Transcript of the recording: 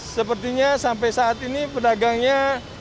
sepertinya sampai saat ini pedagangnya